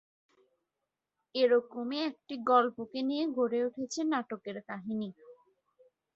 এরকমই একটি গল্পকে নিয়ে গড়ে উঠেছে নাটকের কাহিনী।